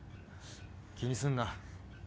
気にすんな。